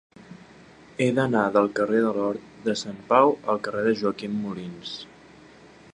He d'anar del carrer de l'Hort de Sant Pau al carrer de Joaquim Molins.